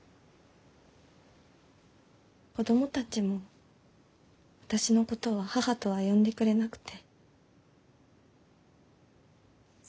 子供たちも私のことは「母」とは呼んでくれなくて。